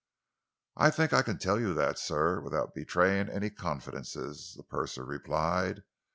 "I think I can tell you that, sir, without betraying any confidences," the purser replied.